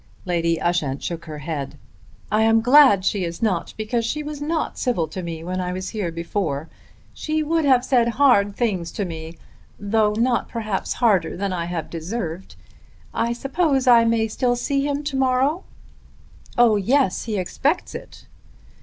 Lady Ushant shook her head. "I am glad she is not, because she was not civil to me when I was here before. She would have said hard things to me, though not perhaps harder than I have deserved. I suppose I may still see him to morrow." "Oh yes; he expects it."